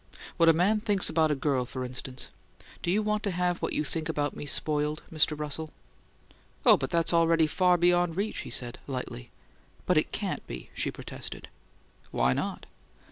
What a man thinks about a girl, for instance. Do you want to have what you think about me spoiled, Mr. Russell?" "Oh, but that's already far beyond reach," he said, lightly. "But it can't be!" she protested. "Why not?"